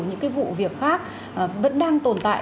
những cái vụ việc khác vẫn đang tồn tại